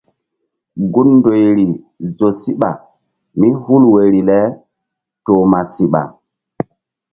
Gun ndoyri zo síɓa mí hul woyri le toh ma siɓa.